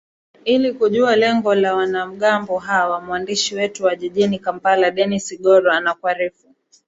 ili kujua lengo la wanamgambo hawa mwandishi wetu wa jijini kampala dennis sigoro anakuarifu